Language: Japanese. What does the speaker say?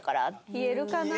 言えるかな？